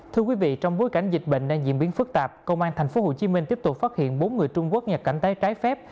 thưa quý vị trong bối cảnh dịch bệnh đang diễn biến phức tạp công an tp hcm tiếp tục phát hiện bốn người trung quốc nhập cảnh tay trái phép